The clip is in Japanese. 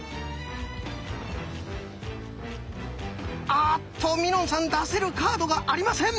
あっとみのんさん出せるカードがありません。